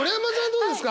どうですか？